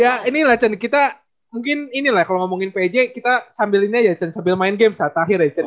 ya inilah cend kita mungkin ini lah kalau ngomongin pj kita sambil ini aja cend sambil main game saat akhir ya cend